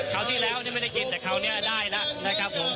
ที่แล้วนี่ไม่ได้กินแต่คราวนี้ได้แล้วนะครับผม